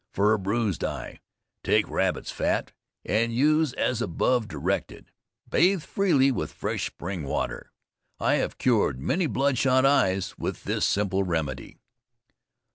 FOR A BRUISED EYE. Take rabbit's fat, and use as above directed. Bathe freely with fresh spring water. I have cured many bloodshot eyes with this simple remedy.